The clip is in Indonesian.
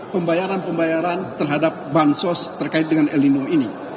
pembayaran pembayaran terhadap bansos terkait dengan el nino ini